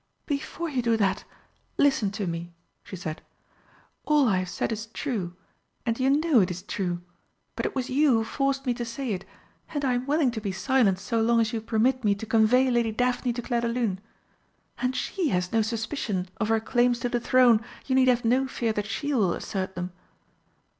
"Before you do that, listen to me," she said. "All I have said is true, and you know it is true, but it was you who forced me to say it, and I am willing to be silent so long as you permit me to convey Lady Daphne to Clairdelune. As she has no suspicion of her claims to the throne, you need have no fear that she will assert them."